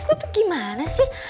lo tuh gimana sih